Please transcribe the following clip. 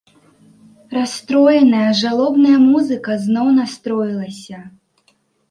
Расстроеная жалобная музыка зноў настроілася.